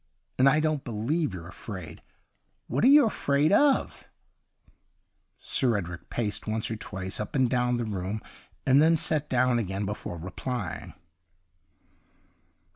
And I don't believe you're afraid. What are you afraid of .^' Sir Edric paced once or twice up and down the room, and then sat down again before replying.